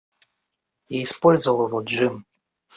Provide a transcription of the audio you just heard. Я использовал его, Джим.